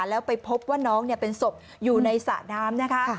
แล้วไปพบว่าน้องเป็นศพอยู่ในสระน้ำนะคะ